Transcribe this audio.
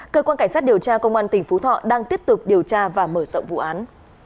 cơ quan cảnh sát điều tra công an tỉnh phú thọ đang tiếp tục điều tra và mở rộng vụ án